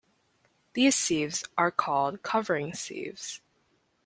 These sieves are called "covering sieves".